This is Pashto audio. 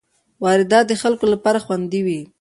واردات د خلکو لپاره خوندي وي.